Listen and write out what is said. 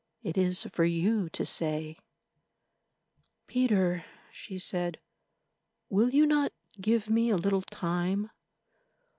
It is for you to say." "Peter," she said, "will you not give me a little time?"